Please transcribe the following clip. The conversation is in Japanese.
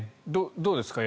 どうですか？